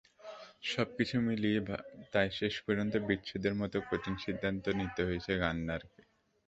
সবকিছু মিলিয়ে তাই শেষ পর্যন্ত বিচ্ছেদের মতো কঠিন সিদ্ধান্ত নিতে হয়েছে গার্নারকে।